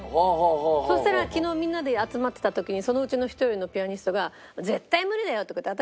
そしたら昨日みんなで集まってた時にそのうちの１人のピアニストが「絶対無理だよ」とか言って。